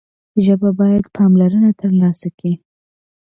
ژبه باید پاملرنه ترلاسه کړي.